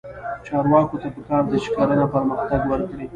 چارواکو ته پکار ده چې، کرنه پرمختګ ورکړي.